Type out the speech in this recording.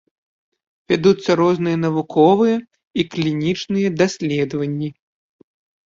Вядуцца розныя навуковыя і клінічныя даследаванні.